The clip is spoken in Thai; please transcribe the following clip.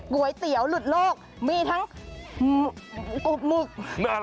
ก๋วยเตี๋ยวหลุดโลกมีทั้งอบหมึก